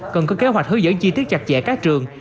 cần có kế hoạch hướng dẫn chi tiết chặt chẽ các trường